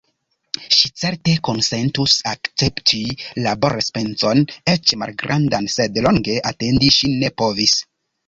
Ŝi certe konsentus akcepti laborenspezon eĉ malgrandan, sed longe atendi ŝi ne povis.